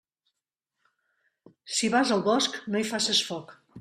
Si vas al bosc, no hi faces foc.